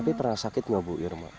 tapi pernah sakit nggak bu irma